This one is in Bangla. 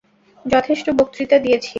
যথেষ্ট বক্তৃতা দিয়েছি।